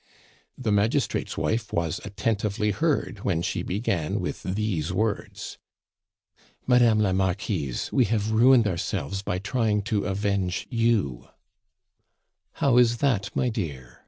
The magistrate's wife was attentively heard when she began with these words: "Madame la Marquise, we have ruined ourselves by trying to avenge you " "How is that, my dear?"